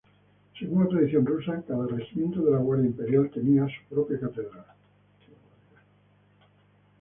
Según la tradición rusa, cada regimiento de la guardia imperial tenía su propia catedral.